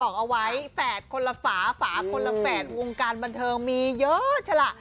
บอกเอาไว้แฝดคนละฝาฝาคนละแฝดวงการบันเทิงมีเยอะใช่ล่ะ